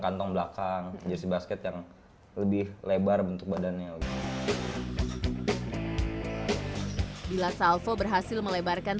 kantong belakang jersi basket yang lebih lebar bentuk badannya bila salvo berhasil melebarkan